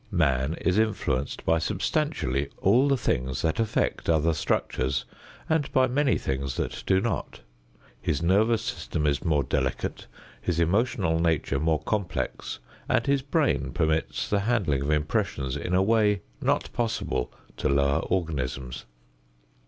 Man is influenced by substantially all the things that affect other structures and by many things that do not. His nervous system is more delicate, his emotional nature more complex, and his brain permits the handling of impressions in a way not possible to lower organisms.